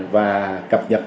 và cập nhật